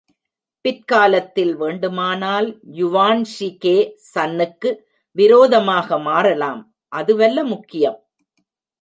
பிற்காலத்தில் வேண்டுமானால் Yuan Shikai சன்னுக்கு விரோதமாக மாறலாம், அதுவல்ல முக்கியம்.